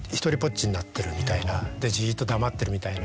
でじっと黙ってるみたいな。